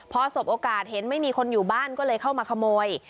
พอสบโอกาสเห็นไม่มีคนอยู่บ้านก็เลยเข้ามาขโมย